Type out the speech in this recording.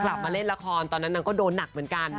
กลับมาเล่นละครตอนนั้นนางก็โดนหนักเหมือนกัน